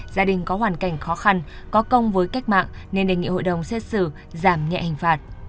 gia đình có hoàn cảnh khó khăn có công với cách mạng nên đề nghị hội đồng xét xử giảm nhẹ hình phạt